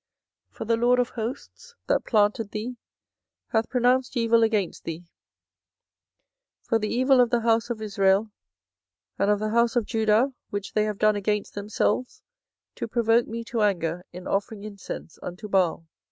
24:011:017 For the LORD of hosts, that planted thee, hath pronounced evil against thee, for the evil of the house of Israel and of the house of Judah, which they have done against themselves to provoke me to anger in offering incense unto Baal.